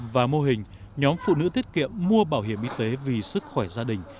và mô hình nhóm phụ nữ tiết kiệm mua bảo hiểm y tế vì sức khỏe gia đình